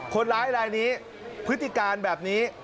คนร้ายรายนี้พฤติการแบบนี้